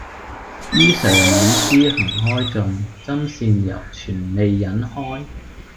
衣裳已施行看盡，針線猶存未忍開。